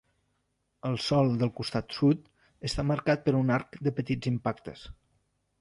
El sòl del costat sud està marcat per un arc de petits impactes.